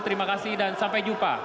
terima kasih dan sampai jumpa